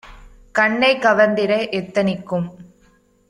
கண்ணைக் கவர்ந்திட எத்தனிக்கும்!